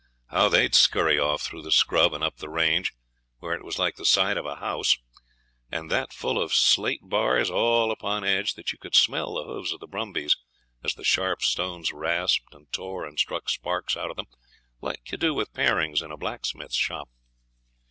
How they'd scurry off through the scrub and up the range, where it was like the side of a house, and that full of slate bars all upon edge that you could smell the hoofs of the brumbies as the sharp stones rasped and tore and struck sparks out of them like you do the parings in a blacksmith's shop.